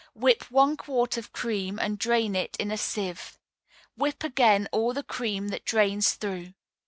Whip one quart of cream, and drain it in a sieve. Whip again all the cream that drains through.